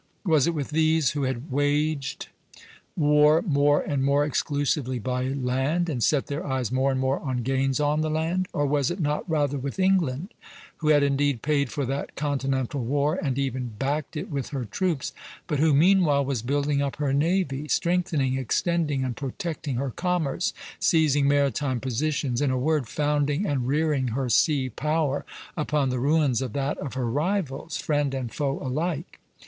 Was it with these, who had waged war more and more exclusively by land, and set their eyes more and more on gains on the land, or was it not rather with England, who had indeed paid for that continental war and even backed it with her troops, but who meanwhile was building up her navy, strengthening, extending, and protecting her commerce, seizing maritime positions, in a word, founding and rearing her sea power upon the ruins of that of her rivals, friend and foe alike?